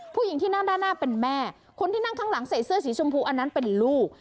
ผู้หญิงที่นั่งด้านหน้าเป็นแม่คนที่นั่งข้างหลังใส่เสื้อสีชมพูอันนั้นเป็นลูก